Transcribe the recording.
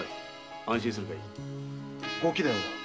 ご貴殿は？